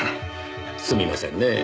すみませんねえ。